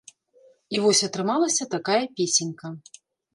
І вось атрымалася такая песенька.